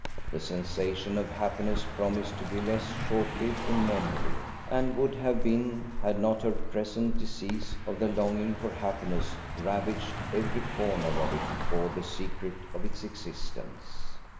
The sensation of happiness promised to be less short lived in memory, and would have been had not her present disease of the longing for happiness ravaged every corner of it for the secret of its existence.